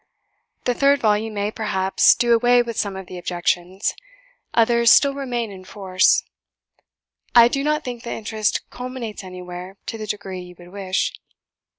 The third volume may, perhaps, do away with some of the objections; others still remain in force. I do not think the interest culminates anywhere to the degree you would wish.